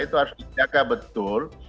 itu harus dijaga betul